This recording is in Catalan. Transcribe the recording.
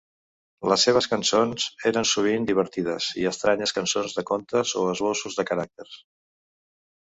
Les seves cançons eren sovint divertides i estranyes cançons de contes o esbossos de caràcters.